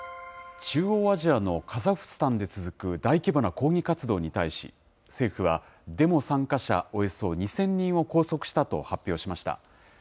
中央アジアのカザフスタンで続く大規模な抗議活動に対し、政府は、デモ参加者およそ２０００人を拘束したと発表しました。